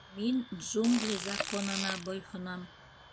Мин Джунгли Законына буйһонам.